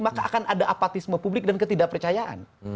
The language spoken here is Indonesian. maka akan ada apatisme publik dan ketidakpercayaan